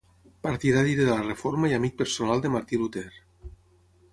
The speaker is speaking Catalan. Partidari de la Reforma i amic personal de Martí Luter.